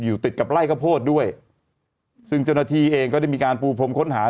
ติดกับไล่ข้าวโพดด้วยซึ่งเจ้าหน้าที่เองก็ได้มีการปูพรมค้นหา